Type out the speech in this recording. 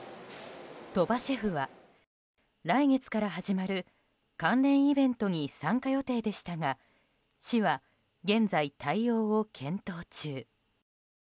鳥羽シェフは来月から始まる関連イベントに参加予定でしたが市は現在、対応を検討中。